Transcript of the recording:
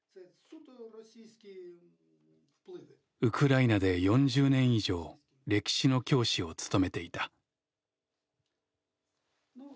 ウクライナで４０年以上歴史の教師を務めていた。